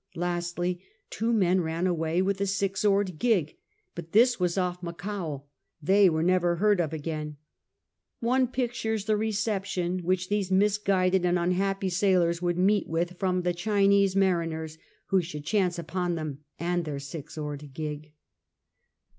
Lastly, two men ran away with the six oared gig, but this was off Macao. They were never heard of again. One pictures the re ception which these misguided and unhappy sailors would meet with from the Chinese mariners who should chance ujion them and their six oared gig.